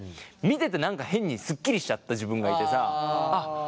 見てて何か変にすっきりしちゃった自分がいてさあっ